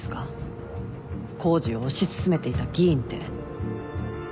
工事を推し進めていた議員って。